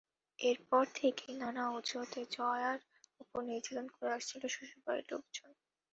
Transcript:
এরপর থেকেই নানা অজুহাতে জয়ার ওপর নির্যাতন করে আসছিলেন শ্বশুরবাড়ির লোকজন।